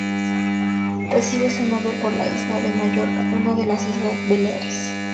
Recibe su nombre por la isla de Mallorca, una de las Islas Baleares.